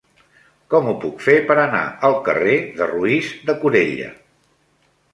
Com ho puc fer per anar al carrer de Roís de Corella?